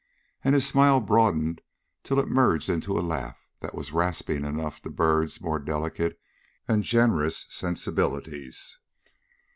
And his smile broadened till it merged into a laugh that was rasping enough to Byrd's more delicate and generous sensibilities.